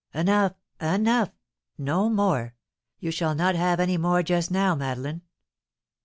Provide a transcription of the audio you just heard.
"Enough! enough! no more! you shall not have any more just now, Madeleine."